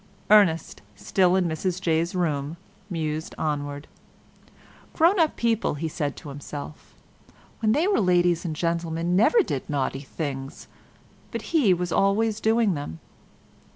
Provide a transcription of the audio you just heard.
Ernest, still in Mrs Jay's room mused onward. "Grown up people," he said to himself, "when they were ladies and gentlemen, never did naughty things, but he was always doing them.